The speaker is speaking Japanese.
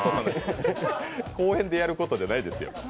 公園でやることじゃないですよ。